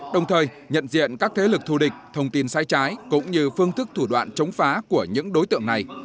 đồng thời nhận diện các thế lực thù địch thông tin sai trái cũng như phương thức thủ đoạn chống phá của những đối tượng này